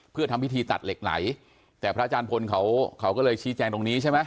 เพื่อทำพิธีตัดเหล็กไหลแต่พระอาจารย์พลเขาเขาก็เลยชี้แจงตรงนี้ใช่ไหม